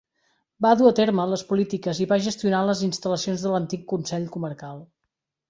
Va dur a terme les polítiques i va gestionar les instal·lacions de l'antic Consell Comarcal.